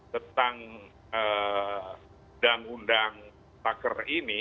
tentang undang undang pakar ini